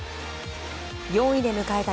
４位で迎えた